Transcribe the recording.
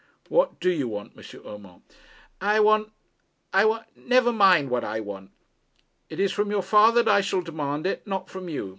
'What do you want, M. Urmand?' 'I want I want Never mind what I want. It is from your father that I shall demand it, not from you.